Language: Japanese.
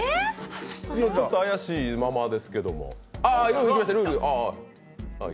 ずっと怪しいままですけど。